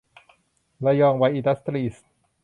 ระยองไวร์ อินดัสตรีส์